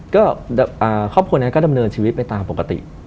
ก็ครอบครัวนั้นก็ดำเนินชีวิตไปตามปกติ